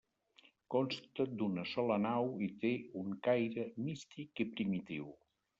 Consta d'una sola nau i té un caire místic i primitiu.